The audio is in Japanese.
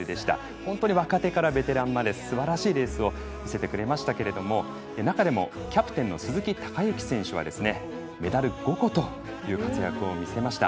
本当に若手からベテランまですばらしいレースを見せてくれましたけども中でも、キャプテンの鈴木孝幸選手はメダル５個という活躍を見せました。